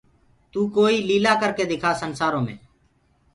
تو ڪوئيٚ ليلآ ڪرڪي دکآ سنسآرو مي